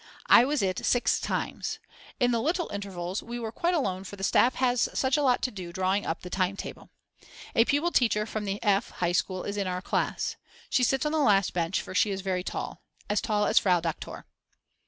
I was it six times. In the little intervals we were quite alone for the staff has such a lot to do drawing up the time table. A pupil teacher from the F. high school is in our class. She sits on the last bench for she is very tall. As tall as Frau Doktor.